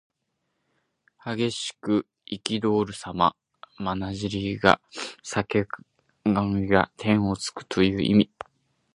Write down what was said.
激しくいきどおるさま。まなじりが裂け髪が天をつくという意味。